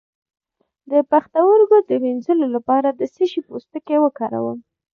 د پښتورګو د مینځلو لپاره د څه شي پوستکی وکاروم؟